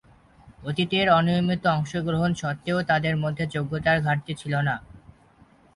অতীতের অনিয়মিত অংশগ্রহণ স্বত্ত্বেও তাদের মধ্যে যোগ্যতার ঘাটতি ছিল না।